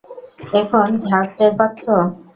এখন ঝাজ টের পাচ্ছ?